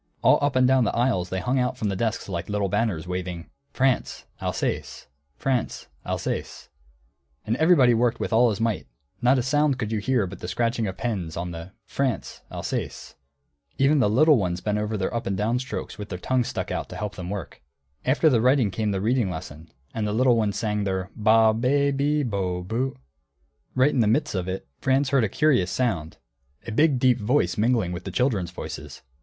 All up and down the aisles they hung out from the desks like little banners, waving: France: Alsace. France: Alsace. And everybody worked with all his might, not a sound could you hear but the scratching of pens on the "France: Alsace." Even the little ones bent over their up and down strokes with their tongues stuck out to help them work. After the writing came the reading lesson, and the little ones sang their ba, be, bi, bo, bu. Right in the midst of it, Franz heard a curious sound, a big deep voice mingling with the children's voices.